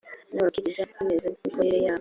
n amabwiriza mbonezamikorere yawo